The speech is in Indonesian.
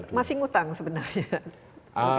tapi masih ngutang sebenarnya